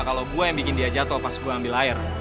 kalau gue yang bikin dia jatuh pas gue ambil air